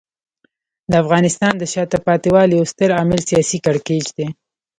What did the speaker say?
د افغانستان د شاته پاتې والي یو ستر عامل سیاسي کړکېچ دی.